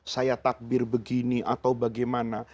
saya takbir begini atau bagaimana